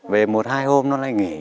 về một hai hôm nó lại nghỉ